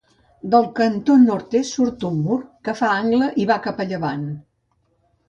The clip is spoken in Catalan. Del cantó nord-est surt un mur, que fa angle i va cap a llevant.